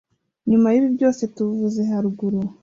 Nyuma yibi byose tuvuze haruguru